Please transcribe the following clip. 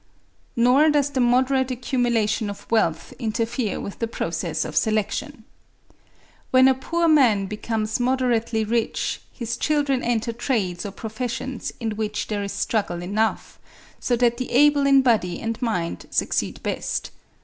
Nor does the moderate accumulation of wealth interfere with the process of selection. When a poor man becomes moderately rich, his children enter trades or professions in which there is struggle enough, so that the able in body and mind succeed best.